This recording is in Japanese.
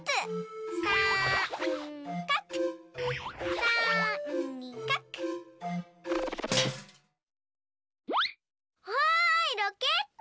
わいロケット！